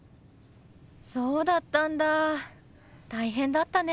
そうだったんだ大変だったね。